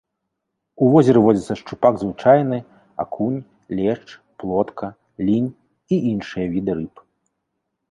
У возеры водзяцца шчупак звычайны, акунь, лешч, плотка, лінь і іншыя віды рыб.